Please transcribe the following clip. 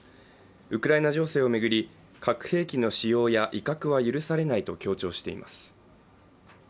ウクライナ情勢を巡り核兵器の使用や威嚇は許されないと強調しています。